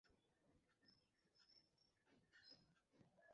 আমি চিঠির নির্দেশনা অনুযায়ী সেখানে দেওয়া টেলিটক মুঠোফোন নম্বরে ফোন করি।